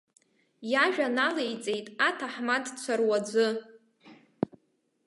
Иажәа налеиҵеит аҭаҳмадцәа руаӡәы.